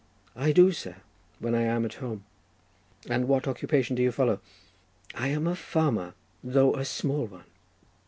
"I do, sir, when I am at home." "And what occupation do you follow?" "I am a farmer, though a small one."